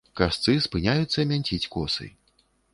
Касцы спыняюцца мянціць косы.